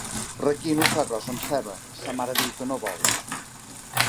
Requino fa arròs amb ceba, sa mare diu que no vol.